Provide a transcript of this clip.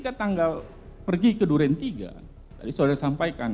kalau anda pergi ke duren tiga tadi sudah saya sampaikan